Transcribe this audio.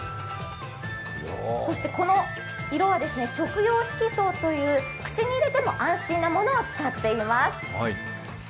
この色素は食用色素という口に入れても安心なものを使っています。